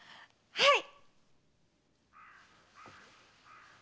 はい。